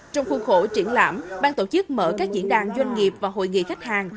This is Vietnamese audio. trong khuôn khổ triển lãm ban tổ chức mở các diễn đàn doanh nghiệp và hội nghị khách hàng